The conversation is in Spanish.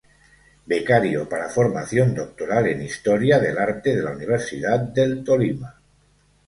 Becario para formación doctoral en Historia del arte de la Universidad del Tolima.